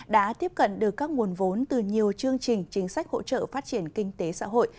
đã tiếp cận được các nguồn vốn từ nhiều chương trình chính sách hỗ trợ phát triển kinh tế xã hội